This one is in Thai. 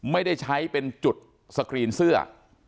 ไม่ได้ใช้เป็นจุดสกรีนเสื้อ